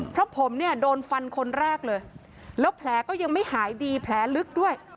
เพราะผมเนี่ยโดนฟันคนแรกเลยแล้วแผลก็ยังไม่หายดีแผลลึกด้วย